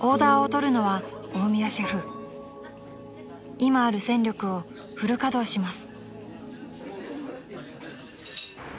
［今ある戦力をフル稼働します］